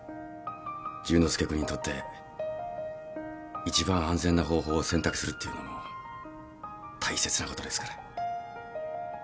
淳之介君にとって一番安全な方法を選択するっていうのも大切なことですから。